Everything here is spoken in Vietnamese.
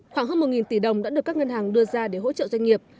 khoảng hơn một tỷ đồng đã được các ngân hàng đưa ra để hỗ trợ doanh nghiệp